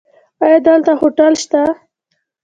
ایا دلته هوټل شته؟